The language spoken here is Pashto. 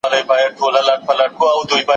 څنګه انلاين زده کړه د کور چاپيريال سره مناسب ده؟